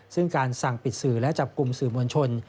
ซึ่งการสั่งปิดสื่อและจับกลุ่มสื่อมวลชน